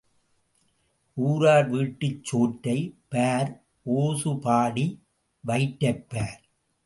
ஊரார் வீட்டுச் சோற்றைப் பார் ஓசு பாடி வயிற்றைப் பார்.